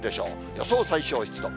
予想最小湿度。